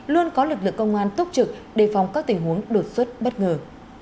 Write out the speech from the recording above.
luôn có lực lượng công an túc trực đề phòng các tình huống đột xuất bất ngờ